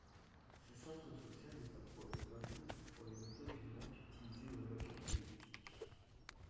Ce centre social est parfois épinglé pour les méthodes violentes utilisées dans l'action politique.